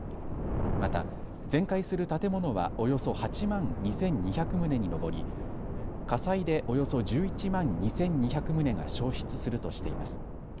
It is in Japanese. また、全壊する建物はおよそ８万２２００棟に上り火災でおよそ１１万２２００棟が焼失するとしています。